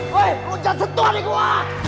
weh lo jangan sentuh adek gue